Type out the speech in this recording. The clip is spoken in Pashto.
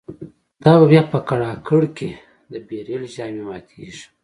دا به بیا په کړاکړ کی د« بیربل» ژامی ماتیږی